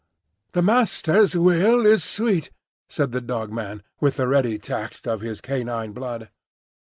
"The Master's will is sweet," said the Dog man, with the ready tact of his canine blood.